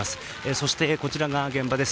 そして、こちらが現場です。